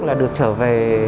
là được trở về